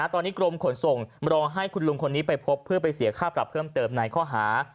ตอนนี้กรมขนส่งรอให้คุณลุงคนนี้ไปพบเพื่อไปเสียค่าปรับเพิ่มเติมในข้อหา